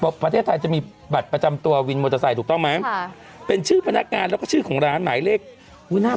ก็มีเหมือนเพลงไทยแหละ